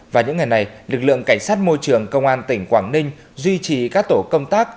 và những ngày này lực lượng cảnh sát môi trường công an tỉnh quảng ninh duy trì các tổ công tác